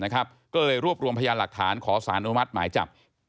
ก็เลยรวบรวมพยานหลักฐานขอสารอนุมัติหมายจับ